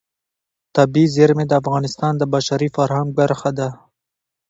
طبیعي زیرمې د افغانستان د بشري فرهنګ برخه ده.